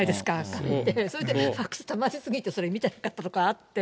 紙で、それでファックスたまりすぎて、それ、見てなかったとかってあって。